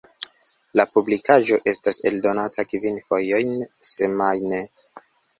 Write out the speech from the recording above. La publikaĵo estas eldonata kvin fojojn semajne.